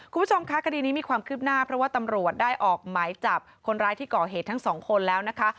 คุณผู้ชมคะคดีนี้มีความคืบหน้าเพราะว่าตำรวจได้ออกหมายจับคนร้ายที่ก่อเหตุทั้งสองคนแล้วนะคะ